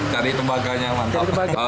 cari tembaganya mantap